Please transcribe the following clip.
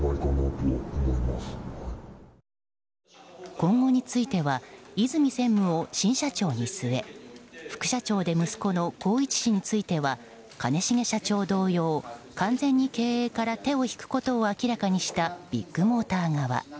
今後については和泉専務を新社長に据え副社長で息子の宏一氏については兼重社長同様完全に経営から手を引くことを明らかにしたビッグモーター側。